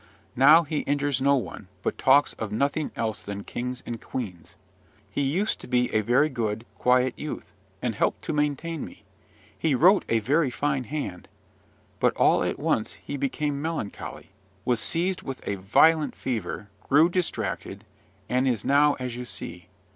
Now he injures no one, but talks of nothing else than kings and queens. He used to be a very good, quiet youth, and helped to maintain me; he wrote a very fine hand; but all at once he became melancholy, was seized with a violent fever, grew distracted, and is now as you see.